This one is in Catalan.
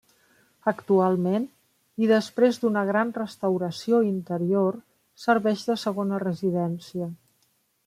Actualment, i després d'una gran restauració interior, serveix de segona residència.